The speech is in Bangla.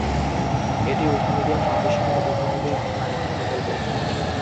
এটি উইকিমিডিয়া ফাউন্ডেশনের উইকিপিডিয়ার মত আরেকটি প্রকল্প।